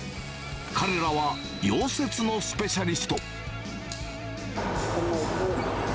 彼らは溶接のスペシャリスト。